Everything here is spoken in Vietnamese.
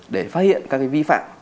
để phát hiện các vi phạm